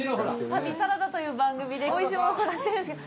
旅サラダという番組でおいしいものを探してるんですけど。